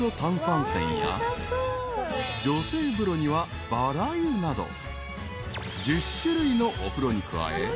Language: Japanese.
［女性風呂にはバラ湯など１０種類のお風呂に加え］